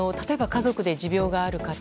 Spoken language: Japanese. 家族で持病がある方